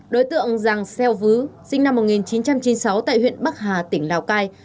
đối tượng giàng xeo vứ sinh năm một nghìn chín trăm chín mươi sáu tại huyện bắc hà tỉnh lào cai